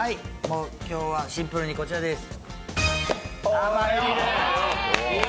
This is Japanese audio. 今日はシンプルにこちらです。